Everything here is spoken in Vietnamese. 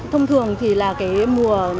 thông thường thì là cái mùa